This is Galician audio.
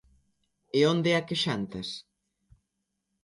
E onde é que xantas?